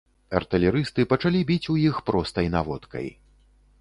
Артылерысты пачалі біць у іх простай наводкай.